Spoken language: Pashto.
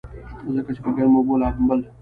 ځکه چې پۀ ګرمو اوبو لامبل